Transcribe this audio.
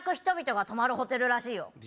人々が泊まるホテルらしいよ